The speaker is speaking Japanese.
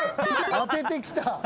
当ててきた。